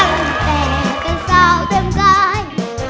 ตั้งแต่กันสาวเติมกาย